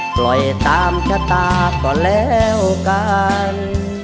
ปล่อยตามชะตาก็แล้วกัน